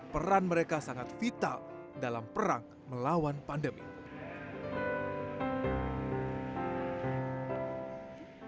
peran mereka sangat vital dalam perang melawan pandemi